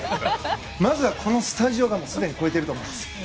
まずはこのスタジオがすでに超えてると思うんです。